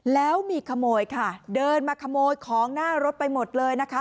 แล้วมีขโมยค่ะเดินมาขโมยของหน้ารถไปหมดเลยนะคะ